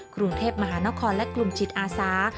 กรุงเทพมหานครและกลุ่มจิตอาสา